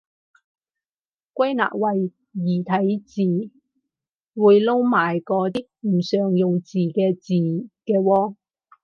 歸納為異體字，會撈埋嗰啲唔常用字嘅字嘅喎